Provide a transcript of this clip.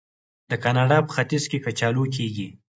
د کاناډا په ختیځ کې کچالو کیږي.